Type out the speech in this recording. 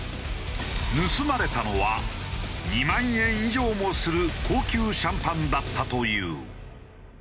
盗まれたのは２万円以上もする高級シャンパンだったという。